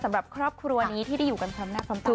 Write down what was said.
สำหรับครอบครัวนี้ที่ได้อยู่กันช้ำหน้าความต่ำ